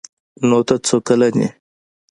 _نوته څو کلن يې؟